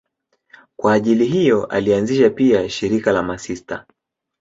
Kwa ajili hiyo alianzisha pia shirika la masista.